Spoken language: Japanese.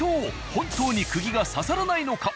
本当に釘が刺さらないのか？